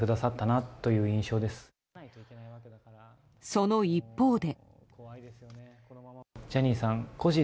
その一方で。